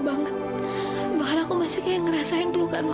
sampai jumpa di video selanjutnya